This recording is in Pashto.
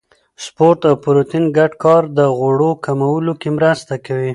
سپورت او پروتین ګډ کار د غوړو کمولو کې مرسته کوي.